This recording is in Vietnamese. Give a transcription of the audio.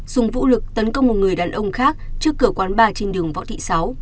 dùng vũ lực tấn công một người đàn ông khác trước cửa quán bar trên đường võ thị sáu